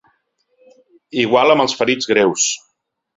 Igual amb els ferits greus.